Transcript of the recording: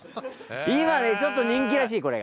今ねちょっと人気らしいこれが。